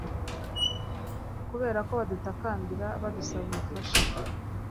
kuberako badutakambira badusaba ubufasha